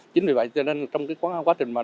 chính vì vậy cho nên trong quá trình mà đào